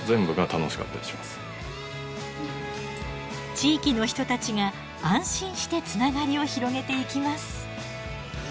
地域の人たちが安心してつながりを広げていきます。